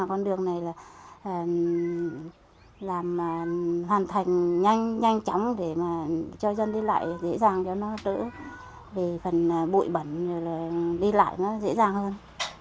con đường này là hoàn thành nhanh chóng để cho dân đi lại dễ dàng cho nó đỡ để phần bụi bẩn đi lại nó dễ dàng hơn